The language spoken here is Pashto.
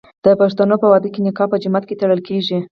د پښتنو په واده کې نکاح په جومات کې تړل کیږي.